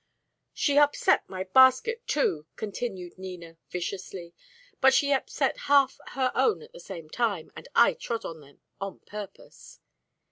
"She upset my basket, too," continued Nina, viciously. "But she upset half her own at the same time, and I trod on them, on purpose."